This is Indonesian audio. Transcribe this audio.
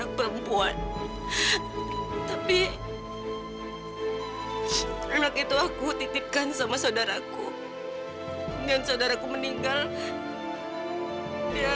apa kamu lebih memilih candy daripada aku elva